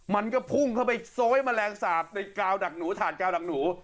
มันก็พุ่งเข้าไปโซยแมลงสาปในกาวดักหนูถ่านกาวดักหนู